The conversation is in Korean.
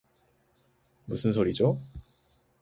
무슨 소리죠?